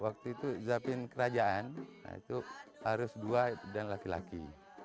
waktu itu zapin kerajaan itu harus dua dan laki laki